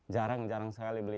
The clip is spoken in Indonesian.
jarang jarang sekali beli